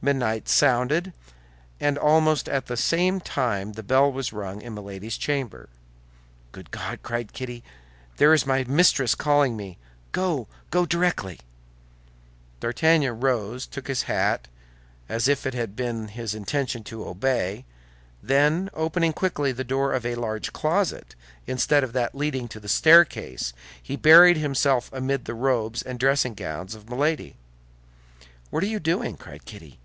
Midnight sounded, and almost at the same time the bell was rung in Milady's chamber. "Good God," cried Kitty, "there is my mistress calling me! Go; go directly!" D'Artagnan rose, took his hat, as if it had been his intention to obey, then, opening quickly the door of a large closet instead of that leading to the staircase, he buried himself amid the robes and dressing gowns of Milady. "What are you doing?" cried Kitty.